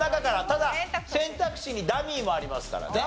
ただ選択肢にダミーもありますからね。